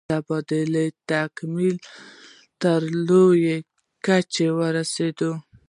د تبادلو تکامل تر لوړې کچې ورسید.